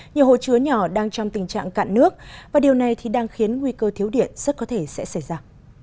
nhiều hồ chứa nhỏ đang trong tình trạng cạn nước và điều này thì đang khiến nguy cơ thiếu điện rất có thể sẽ xảy ra